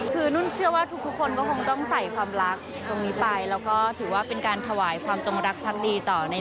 คือนุ่นเชื่อว่าทุกคนก็คงต้องใส่ความรักตรงนี้ไป